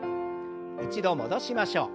一度戻しましょう。